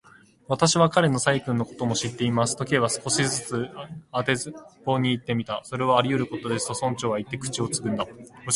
「私は彼の細君のことも知っています」と、Ｋ は少し当てずっぽうにいってみた。「それはありうることです」と、村長はいって、口をつぐんだ。